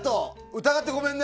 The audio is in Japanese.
疑ってごめんね。